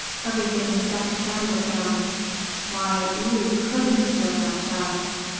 Everything is second hand with them. Why, you couldn't live like that."